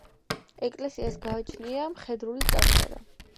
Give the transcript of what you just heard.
ეკლესიას გააჩნია მხედრული წარწერა.